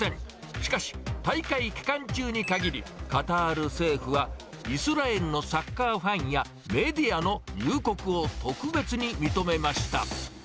しかし、大会期間中に限り、カタール政府はイスラエルのサッカーファンやメディアの入国を特別に認めました。